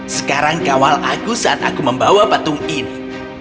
sekarang kawal aku saat aku membawa patung ini